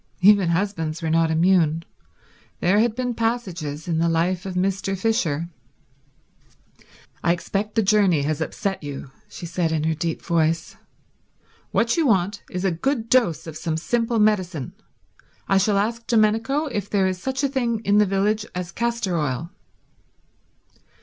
Even husbands were not immune. There had been passages in the life of Mr. Fisher ... "I expect the journey has upset you," she said in her deep voice. "What you want is a good dose of some simple medicine. I shall ask Domenico if there is such a thing in the village as castor oil."